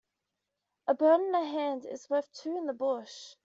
A bird in the hand is worth two in the bush.